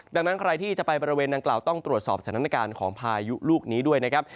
ดังนั้นใครที่จะไปบริเวณนางกล่าวต้องตรวจสอบสถานการณ์ของพายุลูกนี้ด้วยนะครับ